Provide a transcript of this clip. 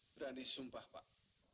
berani sumpah pak